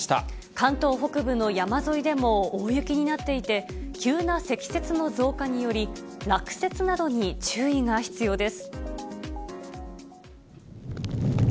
関東北部の山沿いでも大雪になっていて、急な積雪の増加により、落雪などに注意が必要です。